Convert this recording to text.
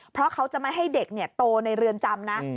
เพราะเขาจะไม่ให้เด็กโตในเรือนจำนะ